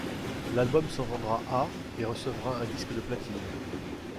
L'album se vendra à et recevra un disque de platine.